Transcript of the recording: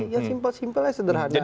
yang simpel simpel aja sederhana